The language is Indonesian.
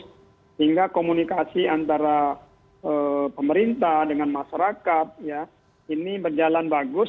sehingga komunikasi antara pemerintah dengan masyarakat ini berjalan bagus